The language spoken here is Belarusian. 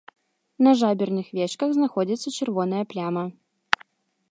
На жаберных вечках знаходзіцца чырвоная пляма.